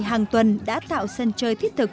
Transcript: hàng tuần đã tạo sân chơi thiết thực